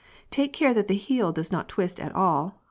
Take care that the heel does not twist at all (Fig.